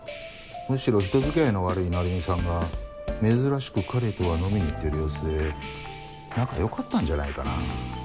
むしろ人付き合いの悪い成海さんが珍しく彼とは飲みに行ってる様子で仲良かったんじゃないかな。